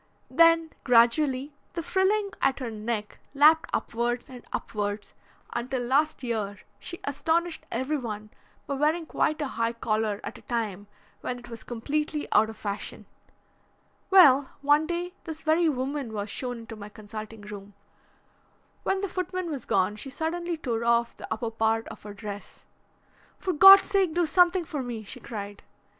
Then gradually the frilling at her neck lapped upwards and upwards, until last year she astonished everyone by wearing quite a high collar at a time when it was completely out of fashion. Well, one day this very woman was shown into my consulting room. When the footman was gone she suddenly tore off the upper part of her dress. 'For Gods sake do something for me!' she cried.